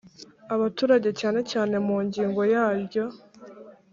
abaturage cyane cyane mu ngingo yaryo